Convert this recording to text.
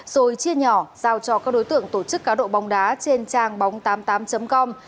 rồi chia nhỏ giao cho các đối tượng tổ chức cá độ bóng đá trên trang bóng tám mươi tám com